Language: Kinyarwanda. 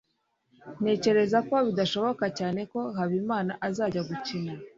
ntekereza ko bidashoboka cyane ko habimana azajya gukina